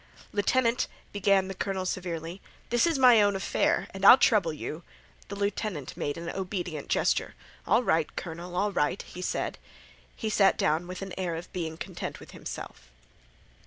"Lieutenant," began the colonel, severely, "this is my own affair, and I'll trouble you—" The lieutenant made an obedient gesture. "All right, colonel, all right," he said. He sat down with an air of being content with himself.